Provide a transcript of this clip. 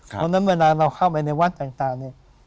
เพราะฉะนั้นเวลาเราเข้าไปในวัดต่างเนี่ย